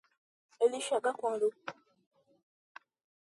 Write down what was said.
Ele chega quando?